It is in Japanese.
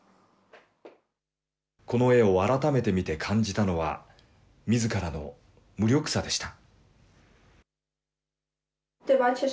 この絵を改めて見て感じたのは、みずからの無力さでした。